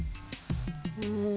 うん。